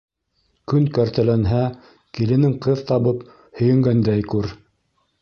Көн кәртәләнһә, киленең ҡыҙ табып һөйөнгәндәй күр.